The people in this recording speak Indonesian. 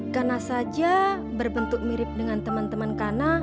karena saja berbentuk mirip dengan teman teman kana